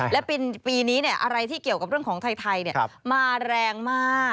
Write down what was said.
และปีนี้อะไรที่เกี่ยวกับเรื่องของไทยมาแรงมาก